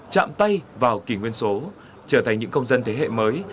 chạm tay vào kỳ nguyên số trở thành những công dân thế hệ mới